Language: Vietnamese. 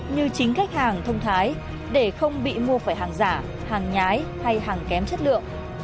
như chính khách hàng thông thái để không bị mua phải hàng giả hàng nhái hay hàng kém chất lượng